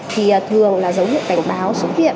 thì thường là dấu hiệu cảnh báo xuất hiện